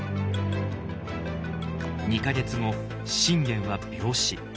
２か月後信玄は病死。